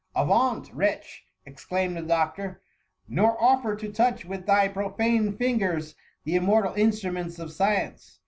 " Avaunt, wretch ?" exclaimed the doctor, " nor offer to touch with thy profane fingers the immortal instruments of science."